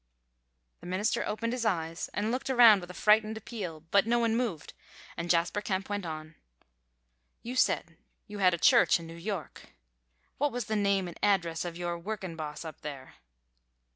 The minister opened his eyes and looked around with a frightened appeal, but no one moved, and Jasper Kemp went on: "You say you had a church in New York. What was the name and address of your workin' boss up there?"